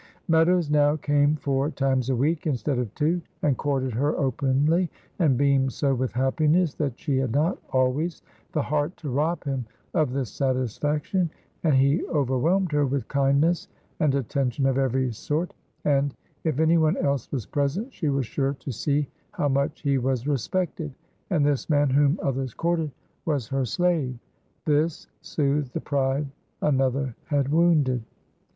Meadows now came four times a week instead of two, and courted her openly, and beamed so with happiness that she had not always the heart to rob him of this satisfaction, and he overwhelmed her with kindness and attention of every sort, and, if any one else was present, she was sure to see how much he was respected; and this man whom others courted was her slave. This soothed the pride another had wounded.